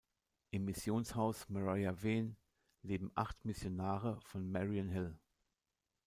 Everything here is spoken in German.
Im Missionshaus Maria Veen leben acht Missionare von Mariannhill.